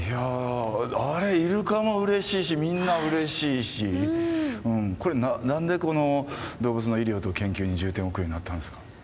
あれイルカもうれしいしみんなうれしいしこれ何で動物の医療と研究に重点を置くようになったんですか？